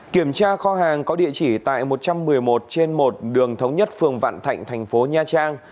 kiểm tra kho hàng có địa chỉ tại một trăm một mươi một trên một đường thống nhất phường vạn thạnh thành phố nha trang